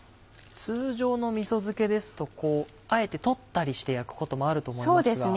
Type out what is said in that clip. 通常のみそ漬けですとあえて取ったりして焼くこともあると思いますが。